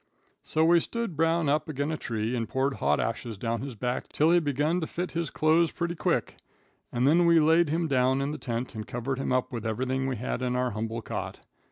"So we stood Brown up agin a tree and poured hot ashes down his back till he begun to fit his cloze pretty quick, and then we laid him down in the tent and covered him up with everything we had in our humble cot.